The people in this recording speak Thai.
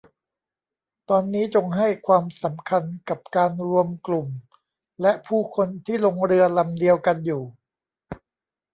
ตอนนี้จงให้ความสำคัญกับการรวมกลุ่มและผู้คนที่ลงเรือลำเดียวกันอยู่